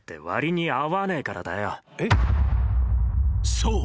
［そう。